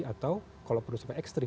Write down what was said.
atau kalau perlu sampai ekstrim